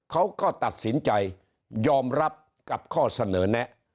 เขาก็ตัดสินใจยอมรับกับข้อเสนอแนะ